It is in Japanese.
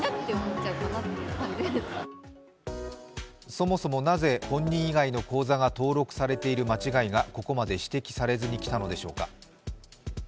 そもそもなぜ、本人以外の口座が登録されている間違いがここまで指摘されずにきたのでしょうか。